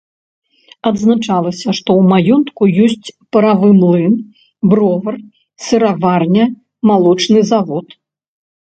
Адзначалася, што ў маёнтку ёсць паравы млын, бровар, сыраварня, малочны завод.